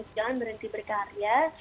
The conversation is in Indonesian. jangan berhenti berkarya